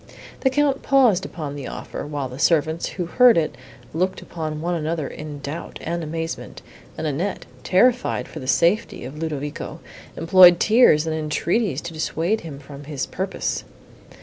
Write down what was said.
The Count paused upon the offer, while the servants, who heard it, looked upon one another in doubt and amazement, and Annette, terrified for the safety of Ludovico, employed tears and entreaties to dissuade him from his purpose.